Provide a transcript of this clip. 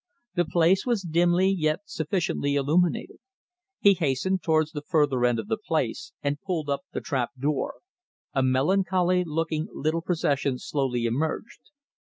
The place was dimly yet sufficiently illuminated. He hastened towards the further end of the place and pulled up the trap door. A melancholy looking little procession slowly emerged.